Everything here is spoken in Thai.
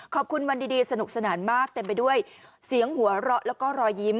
ขอบคุณวันดีสนุกสนานมากเต็มไปด้วยเสียงหัวเราะแล้วก็รอยยิ้ม